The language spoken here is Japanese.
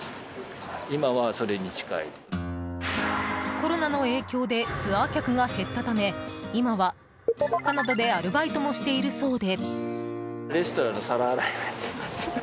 コロナの影響でツアー客が減ったため今はカナダでアルバイトもしているそうで。